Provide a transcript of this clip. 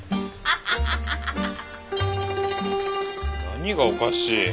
何がおかしい？